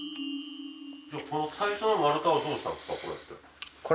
でもこの最初の丸太はどうしたんですか？